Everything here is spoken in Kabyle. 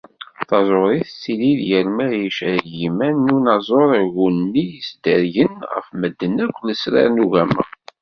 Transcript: Taẓuri tettili-d yal mi ara icerreg yiman n unaẓur agu-nni yesdergen ɣef medden akk lesrar n ugama.